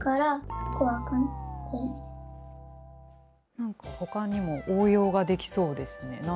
なんかほかにも応用ができそうですね。